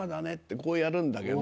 こうやるんだけど。